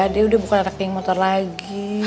dia udah bukan anak geng motor lagi